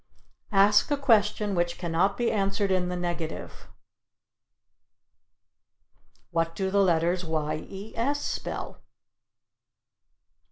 Ask a question Which cannot be Answered in the Negative. "What do the letters y e s spell?"